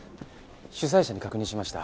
主催者に確認しました。